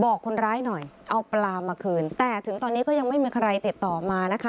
บอกคนร้ายหน่อยเอาปลามาคืนแต่ถึงตอนนี้ก็ยังไม่มีใครติดต่อมานะคะ